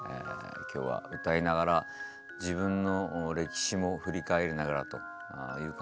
今日は歌いながら自分の歴史も振り返りながらという感じで。